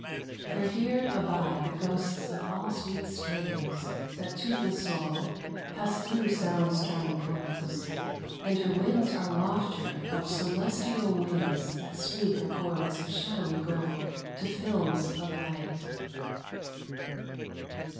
For here abide The ghosts of all sweet strains that to the soul Pass through sound's charmed portals, and her winds Are wafture of celestial wings that sweep Her chords of shadowy gold to films of light.